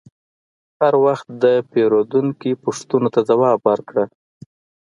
هر وخت د پیرودونکي پوښتنو ته ځواب ورکړه.